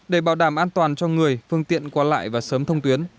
để bảo đảm an toàn cho người phương tiện qua lại và sớm thông tuyến